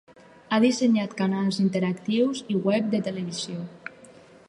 Ha dissenyat canals interactius i web de televisió.